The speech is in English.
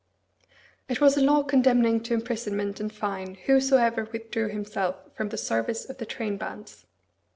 It was a law condemning to imprisonment and fine whosoever withdrew himself from the service of the trainbands.